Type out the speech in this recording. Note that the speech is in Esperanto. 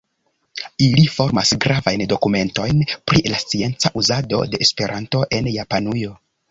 Ili formas gravajn dokumentojn pri la scienca uzado de Esperanto en Japanujo.